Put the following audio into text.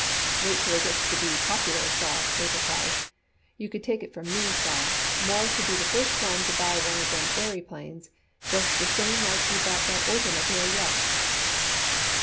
"Wait till they gets to be popular, Sol," Abe replied. "You could take it from me, Sol, Mawruss would be the first one to buy one of them airyplanes, just the same like he bought that oitermobile yet."